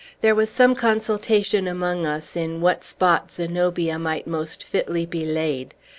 There was some consultation among us in what spot Zenobia might most fitly be laid.